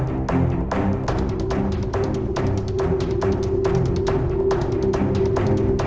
itu apa kak